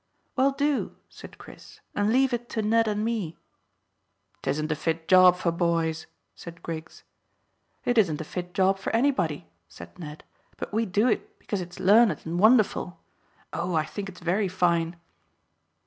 "Well, do," said Chris, "and leave it to Ned and me." "'Tisn't a fit job for boys," said Griggs. "It isn't a fit job for anybody," said Ned, "but we'd do it because it's learned and wonderful. Oh, I think it's very fine."